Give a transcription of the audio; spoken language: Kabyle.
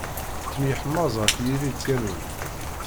Tettemyeḥmaẓ ɣef yiri lkanun.